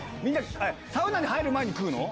サウナに入る前に食うの？